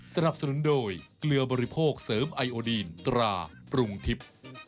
สนับสนุนโดยเกลือบริโภคเสริมไอโอดีนตราปรุงทิพย์